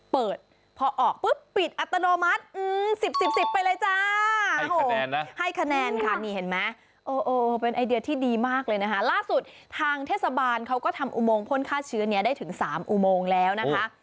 เป็นไอเดียที่ดีมากเลยนะคะล่าสุดทางเทศบาลเขาก็ทำอูโมงพ่นฆ่าเชื้อนี้ได้ถึง๓อูโมงแล้วนะคะ